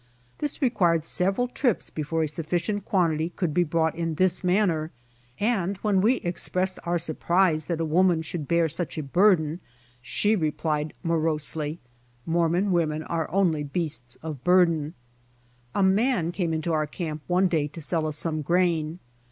This required several trips before a suf ficient quantity could be brought in this manner, and when we expressed our surprise that a woman should bear such a burden, she replied morosely "Mormon women are only beasts of burden." A man came into camp one day to sell us some grain.